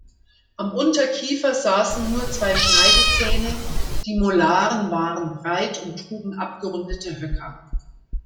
Am Unterkiefer saßen nur zwei Schneidezähne, die Molaren waren breit und trugen abgerundete Höcker.